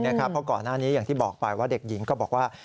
เพราะก่อนหน้านี้อย่างที่บอกไปว่าเด็กหญิงก็บอกว่า